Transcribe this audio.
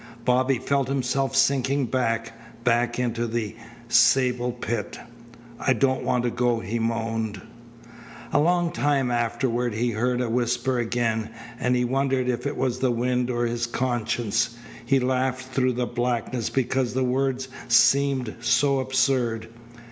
Bobby felt himself sinking back, back into the sable pit. "I don't want to go," he moaned. A long time afterward he heard a whisper again, and he wondered if it was the wind or his conscience. He laughed through the blackness because the words seemed so absurd.